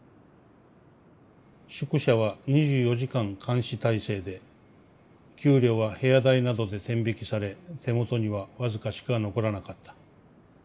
「宿舎は２４時間監視態勢で給料は部屋代などで天引きされ手元にはわずかしか残らなかった。